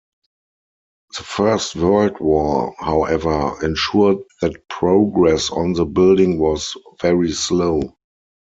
The First World War, however, ensured that progress on the building was very slow.